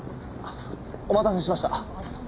お待たせしました。